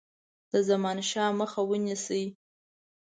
د زمانشاه مخه ونیسي.